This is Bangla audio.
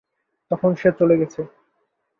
তখন সে চলে গেছে।